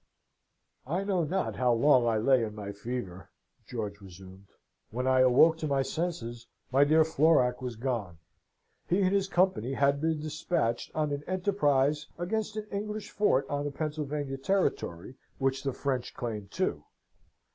"I know not how long I lay in my fever," George resumed. "When I awoke to my senses, my dear Florac was gone. He and his company had been despatched on an enterprise against an English fort on the Pennsylvanian territory, which the French claimed, too.